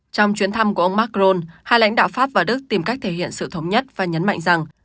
trong chuyến thăm của ông macron hai lãnh đạo pháp và đức tìm cách thể hiện sự thống nhất và nhấn mạnh rằng